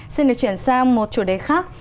xin được chuyển sang một chủ đề khác